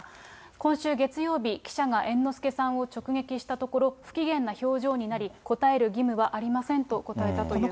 今週月曜日、記者が猿之助さんを直撃したところ、不機嫌な表情になり、答える義務はありませんと答えたということです。